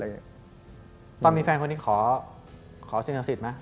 ตอนว่ามีแฟนนี่ขอสินคาสิทธิ์ไหม